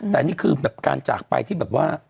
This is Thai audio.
แต่มันคือการจากไปที่แบบว่า